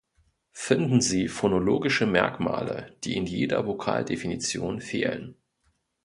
Finden Sie phonologische Merkmale, die in jeder Vokaldefinition fehlen